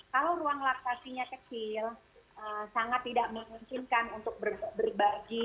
kalau ruang laktasinya kecil sangat tidak memungkinkan untuk berbagi